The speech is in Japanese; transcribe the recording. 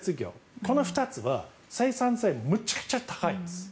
この２つは生産性むちゃくちゃ高いです。